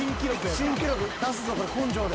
新記録出すぞこれ根性で。